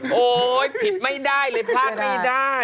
โอ๊ยผิดไม่ได้เลยพลาดไม่ได้